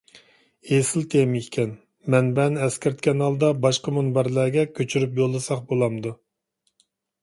ئېسىل تېما ئىكەن. مەنبەنى ئەسكەرتكەن ھالدا باشقا مۇنبەرلەرگە كۆچۈرۈپ يوللىساق بولامدۇ؟